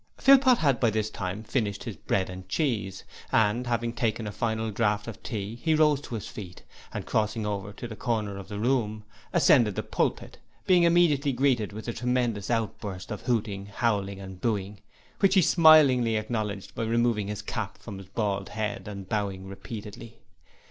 Philpot had by this time finished his bread and cheese, and, having taken a final draught of tea, he rose to his feet, and crossing over to the corner of the room, ascended the pulpit, being immediately greeted with a tremendous outburst of hooting, howling and booing, which he smilingly acknowledged by removing his cap from his bald head and bowing repeatedly.